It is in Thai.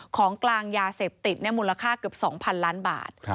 ของกลางยาเสพติดมูลค่าเกือบ๒๐๐๐ล้านบาท